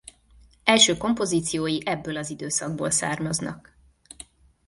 Első kompozíciói ebből az időszakból származnak.